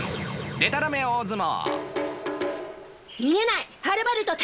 でたらめ大相撲。